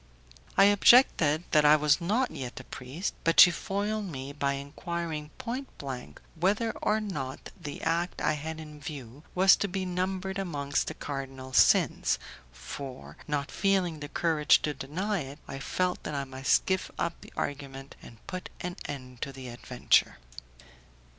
I objected that I was not yet a priest, but she foiled me by enquiring point blank whether or not the act I had in view was to be numbered amongst the cardinal sins, for, not feeling the courage to deny it, I felt that I must give up the argument and put an end to the adventure.